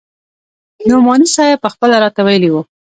نعماني صاحب پخپله راته ويلي وو.